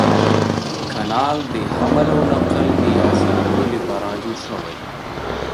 کانال د حمل او نقل د اسانولو لپاره جوړ شوی.